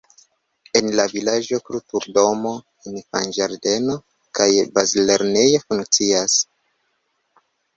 En la vilaĝo kulturdomo, infanĝardeno kaj bazlernejo funkcias.